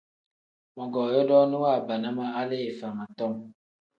Mogoo yodooni waabana ma hali ifama tom.